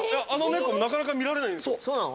あの猫、なかなか見られないんですよ。